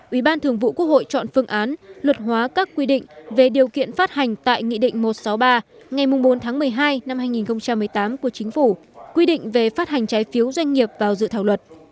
ubthqh chọn phương án luật hóa các quy định về điều kiện phát hành tại nghị định một trăm sáu mươi ba ngày bốn tháng một mươi hai năm hai nghìn một mươi tám của chính phủ quy định về phát hành trái phiếu doanh nghiệp vào dự thảo luật